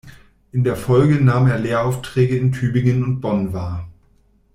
In der Folge nahm er Lehraufträge in Tübingen und Bonn wahr.